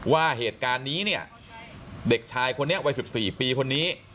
ว่าเหตุการณ์นี้เนี่ยเด็กชายคนนี้วัย๑๔ปีคนนี้